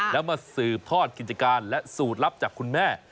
แล้วมาสืบทอดกิจการและสูตรลับจากคุณแม่